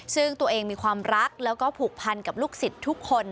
ซึ่งตัวเองมีความรักแล้วก็ผูกพันกับลูกศิษย์ทุกคน